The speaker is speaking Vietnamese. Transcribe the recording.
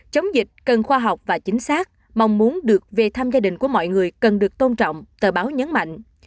chống dịch cần khoa học và chính xác mong muốn được về thăm gia đình của mọi người cần được tôn trọng tờ báo nhấn mạnh